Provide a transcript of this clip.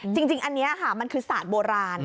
จริงอันนี้ค่ะมันคือศาสตร์โบราณ